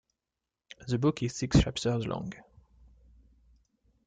The book is six chapters long.